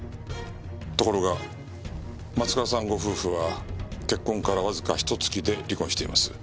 ところが松川さんご夫婦は結婚からわずかひと月で離婚しています。